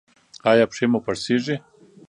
ایا پښې مو پړسیږي؟